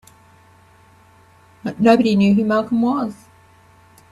Nobody knew who Malcolm was.